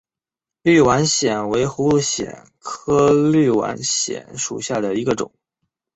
立碗藓为葫芦藓科立碗藓属下的一个种。